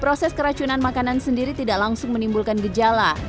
proses keracunan makanan sendiri tidak langsung menimbulkan gejala